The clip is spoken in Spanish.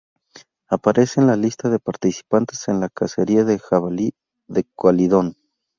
Aparece en la lista de participantes en la cacería del jabalí de Calidón.